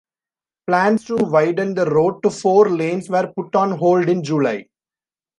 Plans to widen the road to four lanes were put on hold in July.